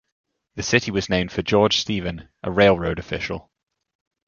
The city was named for George Stephen, a railroad official.